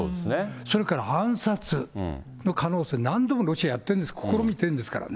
それから暗殺の可能性、何度もロシアやってるんですから、試みてるんですからね。